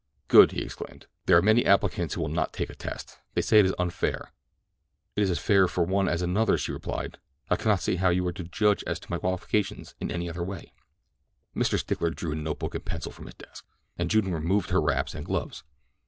"Good!" he exclaimed. "There are many applicants who will not take a test. They say it is unfair." "It is as fair for one as another," she replied. "I cannot see how you are to judge as to my qualifications in any other way." Mr. Stickler drew a note book and pencil from his desk, and June removed her wraps and gloves.